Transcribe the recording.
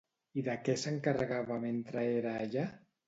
I de què s'encarregava mentre era allà?